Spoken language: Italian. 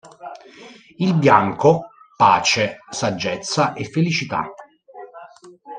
Il bianco pace, saggezza e felicità.